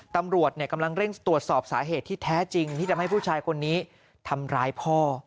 ตำรวจกำลังเร่งตรวจสอบสาเหตุที่แท้จริงที่ทำให้ผู้ชายคนนี้ทำร้ายพ่อ